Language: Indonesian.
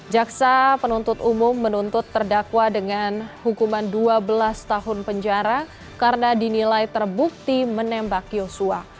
jaksa penuntut umum menuntut terdakwa dengan hukuman dua belas tahun penjara karena dinilai terbukti menembak yosua